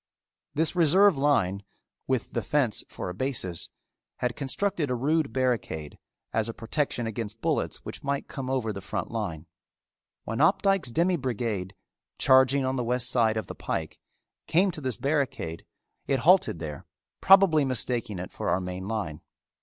This reserve line, with the fence for a basis, had constructed a rude barricade as a protection against bullets which might come over the front line. When Opdycke's demi brigade, charging on the west side of the pike, came to this barricade, it halted there, probably mistaking it for our main line.